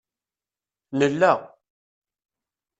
Nella